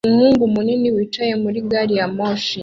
Umugore munini wicaye muri gari ya moshi